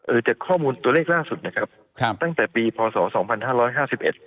จากข้อมูลตัวเลขล่าสุดนะครับครับตั้งแต่ปีพศสองพันห้าร้อยห้าสิบเอ็ด